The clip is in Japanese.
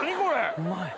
うまい。